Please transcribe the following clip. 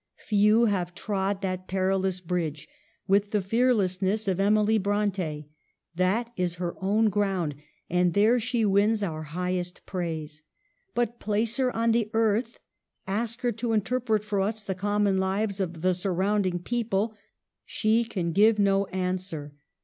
Few have trod that perilous bridge with the fearlessness of Em.jy Bronte : that is her own ground and there she wins our highest praise ; but place her on the earth, ask her to interpret for us the common lives of the surrounding people, she can give no answer.